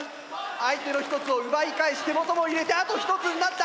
相手の１つを奪い返し手元も入れてあと１つになった。